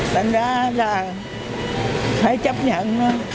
thành ra là phải chấp nhận